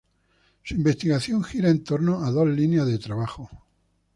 Su investigación gira en torno a dos líneas de trabajo.